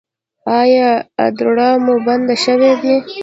ایا ادرار مو بند شوی دی؟